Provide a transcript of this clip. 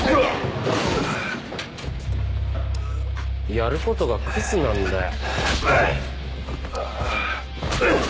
やることがクズなんだよ。